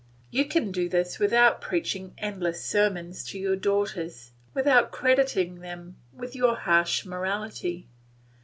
You can do this without preaching endless sermons to your daughters, without crediting them with your harsh morality.